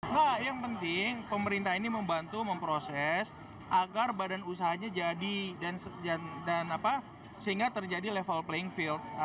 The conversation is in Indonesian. enggak yang penting pemerintah ini membantu memproses agar badan usahanya jadi dan sehingga terjadi level playing field